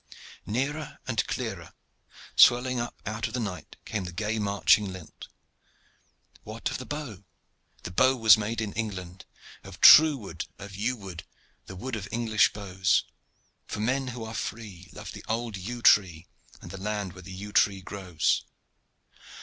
Nearer and clearer, swelling up out of the night, came the gay marching lilt: What of the bow? The bow was made in England. Of true wood, of yew wood, The wood of English bows; For men who are free Love the old yew tree And the land where the yew tree grows.